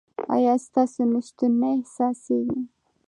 ایا ستاسو نشتون نه احساسیږي؟